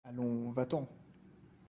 Allons, va-t'en.